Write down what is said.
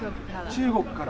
中国から。